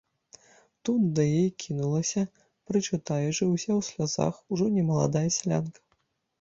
Тут да яе кінулася, прычытаючы, уся ў слязах, ужо не маладая сялянка.